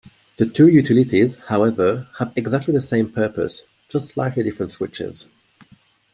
The two utilities, however, have exactly the same purpose, just slightly different switches.